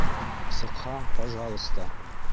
Сыҡһаң - пажалыста.